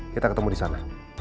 kita ketemu di sana